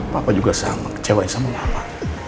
papa juga sama kecewa sama bapak